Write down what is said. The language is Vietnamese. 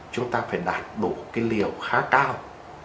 chúng ta phải đạt đủ cái liều khá cao